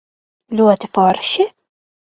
Ļoti forši?